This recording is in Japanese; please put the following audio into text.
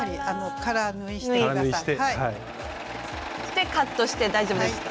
でカットして大丈夫ですか？